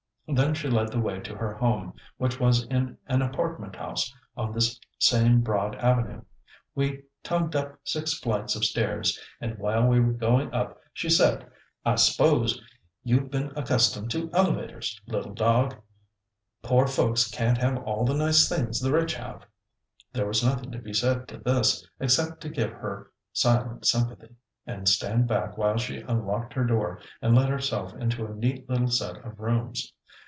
Then she led the way to her home, which was in an apartment house on this same broad avenue. We tugged up six flights of stairs, and while we were going up she said, "I s'pose you've been accustomed to elevators, little dog. Poor folks can't have all the nice things the rich have." There was nothing to be said to this, except to give her silent sympathy, and stand back while she unlocked her door, and let herself into a neat little set of rooms.